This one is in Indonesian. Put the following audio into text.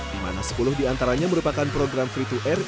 di mana sepuluh diantaranya merupakan program free to air